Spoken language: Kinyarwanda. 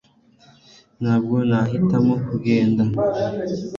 ntabwo nahitamo kugenda